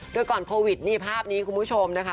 โดยก่อนโควิดนี่ภาพนี้คุณผู้ชมนะคะ